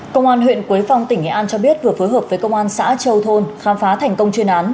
công an huyện quế phong tỉnh nghệ an cho biết vừa phối hợp với công an xã châu thôn khám phá thành công chuyên án